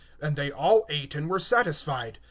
(37)And they all ate, and were filled.